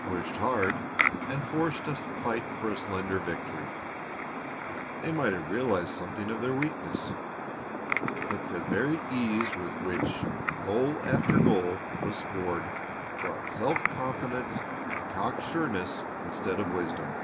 Pushed hard and forced to fight for a slender victory, they might have realized something of their weakness. But the very ease with which goal after goal was scored brought self confidence and cock sureness instead of wisdom.